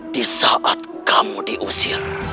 di saat kamu diusir